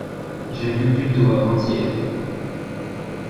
J’ai vu Buteau, avant-hier.